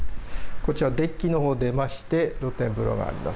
こちら、デッキのほう出まして、露天風呂があります。